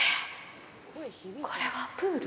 これはプール？